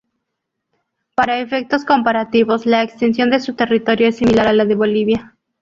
Para efectos comparativos, la extensión de su territorio es similar a la de Bolivia.